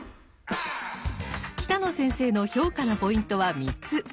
北野先生の評価のポイントは３つ。